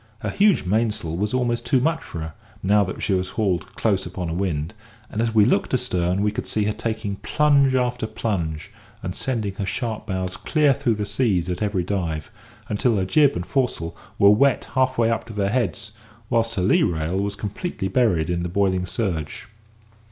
Her huge mainsail was almost too much for her, now that she was hauled close upon a wind; and as we looked astern, we could see her taking plunge after plunge, and sending her sharp bows clear through the seas at every dive, until her jib and foresail were wet half way up to their heads, whilst her lee rail was completely buried in the boiling surge.